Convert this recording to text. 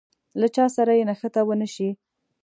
له چا سره يې نښته ونه شي.